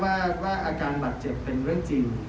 แต่ว่าเป็นเงินที่ไม่ใช่ว่าไม่มี